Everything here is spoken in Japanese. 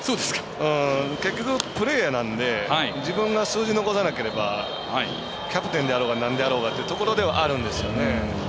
結局、プレーヤーなんで自分が数字残さなければキャプテンであろうがなんであろうがというところなんですよね。